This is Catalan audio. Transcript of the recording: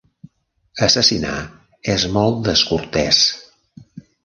Assassinar és molt descortès.